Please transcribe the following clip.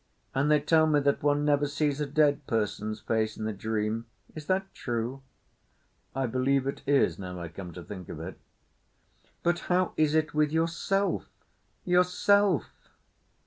"And they tell me that one never sees a dead person's face in a dream. Is that true?" "I believe it is—now I come to think of it." "But how is it with yourself—yourself?"